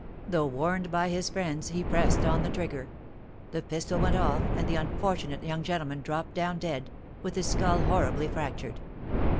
Though warned by his friends, he pressed on the trigger, the pistol went off, and the unfortunate young gentleman dropped down dead, with his skull horribly fractured.